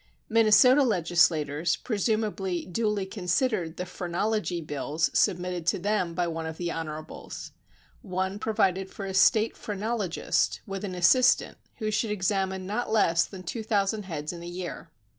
Minnesota legislators presumably duly considered the phrenology bills submitted to them by one of the honorables. One provided for a State phrenologist, with an assistant, who should examine not less than two thousand heads in a year.